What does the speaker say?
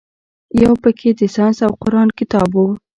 يو پکښې د ساينس او قران کتاب و.